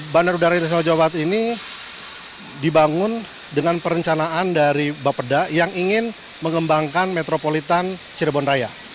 bandara udara internasional jawa barat ini dibangun dengan perencanaan dari bapeda yang ingin mengembangkan metropolitan cirebon raya